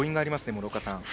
諸岡さん。